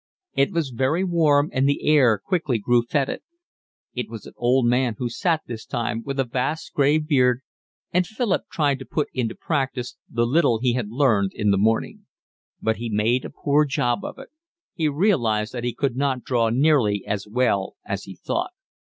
It was very warm, and the air quickly grew fetid. It was an old man who sat this time, with a vast gray beard, and Philip tried to put into practice the little he had learned in the morning; but he made a poor job of it; he realised that he could not draw nearly as well as he thought.